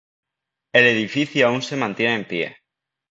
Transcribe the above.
El edificio aún se mantiene en pie.